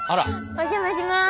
お邪魔します。